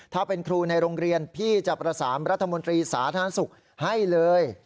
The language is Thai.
ถ้าเป็นครูในโรงเรียนพี่จะประสานรัฐมนตรีสาธารณสุขให้เลย